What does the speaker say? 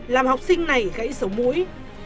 làm học sinh này gãy sống mũi